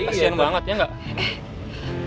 asli banget ya gak